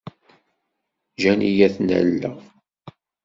Ǧǧan-iyi ad ten-alleɣ.